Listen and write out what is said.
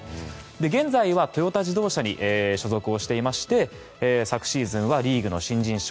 現在はトヨタ自動車に所属していまして昨シーズンはリーグの新人賞。